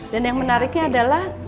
dan yang menariknya adalah